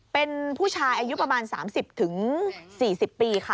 เป็นผู้ชายอายุประมาณ๓๐๔๐ปีค่ะ